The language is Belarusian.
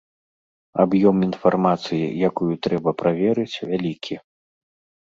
Аб'ём інфармацыі, якую трэба праверыць, вялікі.